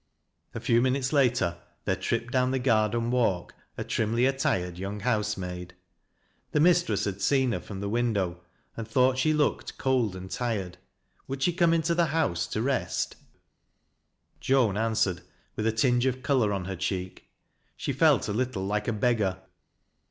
A few minutes later there tripped down the garden ralk a trimly attired young housemaid. The mistress hal seen her from the window am) thought she looked c Id and tired. "Would she coree iatf the house to rest ? 260 THAI LASa LOWBIE'B. Joan answered with a tinge of color on her cheek Sin felt a little like a beggar.